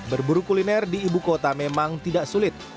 berburu kuliner di ibu kota memang tidak sulit